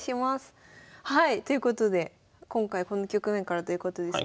ということで今回この局面からということですけど。